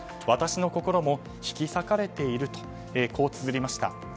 私の心も引き裂かれているとつづりました。